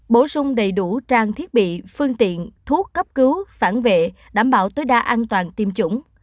bổ sung đầy đủ trang thiết bị phương tiện thuốc cấp cứu phản vệ đảm bảo tối đa an toàn tiêm chủng